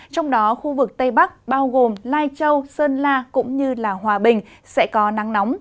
trong đó khu vực tây bắc bao gồm lai châu sơn la cũng như hòa bình sẽ có nắng nóng